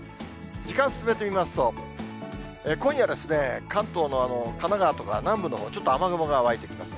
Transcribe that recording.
時間進めてみますと、今夜、関東の神奈川とか南部のほう、ちょっと雨雲が湧いてきます。